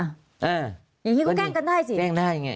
อย่างนี้ก็แกล้งกันได้สิแกล้งได้ยังไง